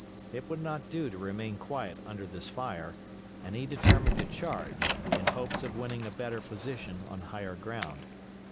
It would not do to remain quiet under this fire, and he determined to charge, in hopes of winning a better position on higher ground.